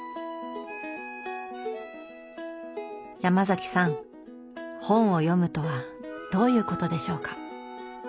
ヤマザキさん本を読むとはどういうことでしょうか？